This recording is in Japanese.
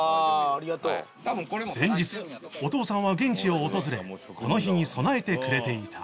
前日お父さんは現地を訪れこの日に備えてくれていた